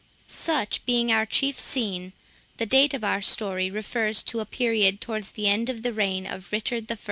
Such being our chief scene, the date of our story refers to a period towards the end of the reign of Richard I.